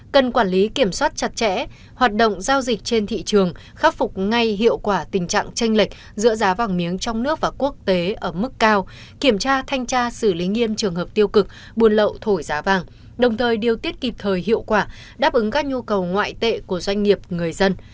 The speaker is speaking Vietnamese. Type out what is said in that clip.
cần quản lý kiểm soát chặt chẽ hoạt động giao dịch trên thị trường khắc phục ngay hiệu quả tình trạng tranh lệch giữa giá vàng miếng trong nước và quốc tế ở mức cao kiểm tra thanh tra xử lý nghiêm trường hợp tiêu cực buồn lậu thổi giá vàng đồng thời điều tiết kịp thời hiệu quả đáp ứng các nhu cầu ngoại tệ của doanh nghiệp người dân